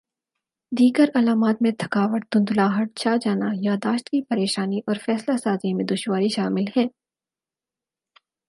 دیگر علامات میں تھکاوٹ دھندلاہٹ چھا جانا یادداشت کی پریشانی اور فیصلہ سازی میں دشواری شامل ہیں